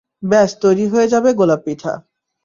ব্যাস তৈরি হয়ে যাবে গোলাপ পিঠা।